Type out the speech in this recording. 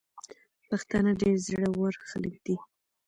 پښتانه ډير زړه ور خلګ دي.